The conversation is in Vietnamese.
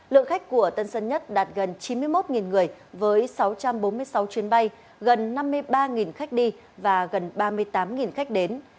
lượng khách của tân sân nhất đạt gần chín mươi một người với sáu trăm bốn mươi sáu chuyến bay gần năm mươi ba khách đi và gần ba mươi tám khách đến